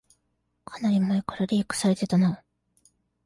かなり前からリークされてたな